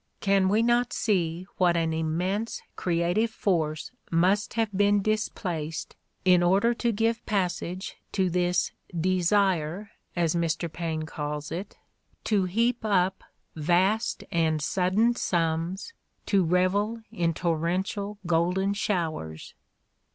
Can we not see what an immense creative force must have been displaced in order to give passage to this "desire," as Mr. Paine calls it, "to heap up vast and 134 The Ordeal of Mark Twain sudden sums, to revel in torrential golden showers"?